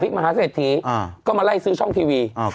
มหาเศรษฐีก็มาไล่ซื้อช่องทีวี